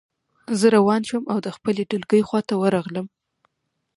زه روان شوم او د خپلې ډلګۍ خواته ورغلم